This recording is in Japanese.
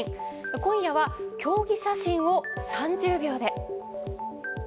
今夜は競技写真を３０秒で。